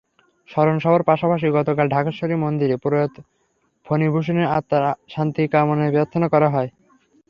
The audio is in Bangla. স্মরণসভার পাশাপাশি গতকাল ঢাকেশ্বরী মন্দিরে প্রয়াত ফণীভূষণের আত্মার শান্তি কামনায় প্রার্থনা করা হয়।